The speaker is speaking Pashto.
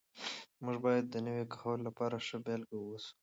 موږ باید د نوي کهول لپاره ښه بېلګه واوسو.